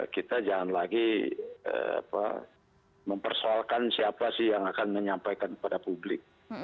kita jangan lagi mempersoalkan siapa sih yang akan menyampaikan kepada publik